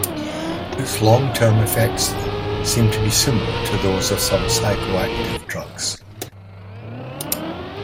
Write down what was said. Its long-term effects, though, seem to be similar to those of some psychoactive drugs.